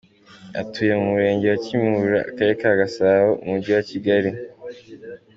Atuye mu Murenge wa Kimihurura, akarere ka Gasabo mu mujyi wa Kigali.